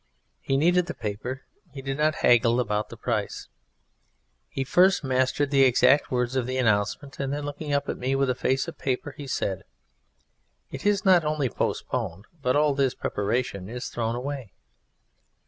He needed the paper: he did not haggle about the price. He first mastered the exact words of the announcement, and then, looking up at me with a face of paper, he said: "It is not only postponed, but all this preparation is thrown away."